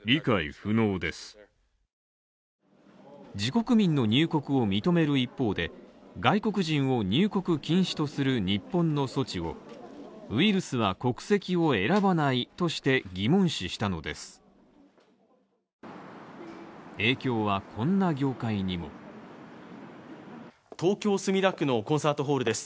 自国民の入国を認める一方で、外国人を入国禁止とする日本の措置をウイルスは国籍を選ばないとして疑問視したのです。